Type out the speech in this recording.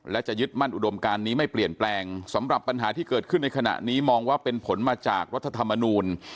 และจะยึดมั่นอุดมการนี้ไม่เปลี่ยนแปลงสำหรับปัญหาที่เกิดขึ้นในขณะนี้มองว่าเป็นผลมาจากรัฐธรรมนูล